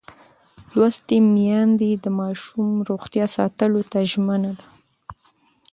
لوستې میندې د ماشوم روغتیا ساتلو ته ژمنه ده.